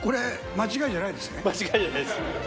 間違いじゃない。